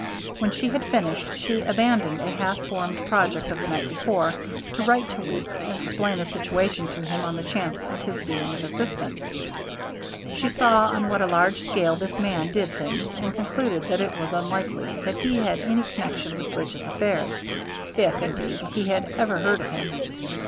When she had finished, she abandoned a half formed project of the night before to write to Weeks and explain the situation to him on the chance of his being of assistance. She saw on what a large scale this man did things and concluded that it was unlikely that he had any connection with Bridge's affairs, if, indeed, he had ever heard of him.